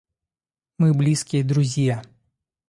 Мы близкие друзья.